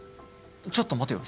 ちょっと待てよ。